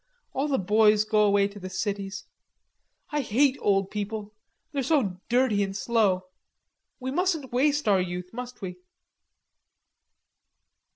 All the boys go away to the cities.... I hate old people; they're so dirty and slow. We mustn't waste our youth, must we?"